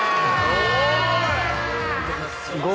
おい。